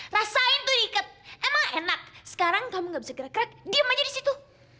rasain itu ikat emang enak sekarang kamu nggak bisa gerak gerak dia menjadi situ